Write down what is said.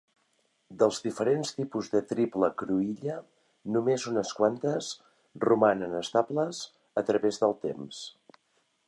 Dels diferents tipus de triple cruïlla, només unes quantes romanen estables a través del temps.